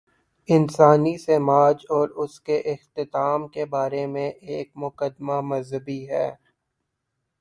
انسانی سماج اور اس کے اختتام کے بارے میں ایک مقدمہ مذہبی ہے۔